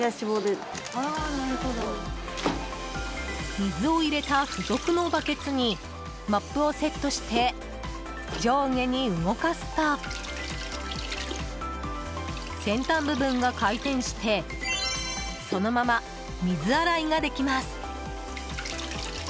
水を入れた付属のバケツにモップをセットして上下に動かすと先端部分が回転してそのまま水洗いができます。